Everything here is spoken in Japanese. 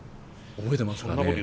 覚えてますかね？